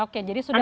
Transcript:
oke jadi sudah